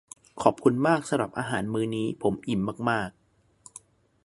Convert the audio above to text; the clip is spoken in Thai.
ขอบคุณมากสำหรับอาหารมื้อนี้ ผมอิ่มมาก ๆ